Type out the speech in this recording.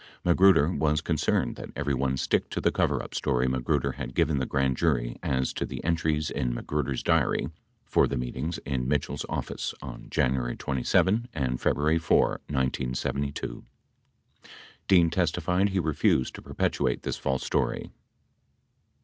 Magruder was concerned that everyone stick to the coverup story Magruder had given the grand jury as to the entries in Magruder's diary for the meetings in Mitchell's office on January 27 and February 4, 1972. Dean testified he refused to perpetuate this false story.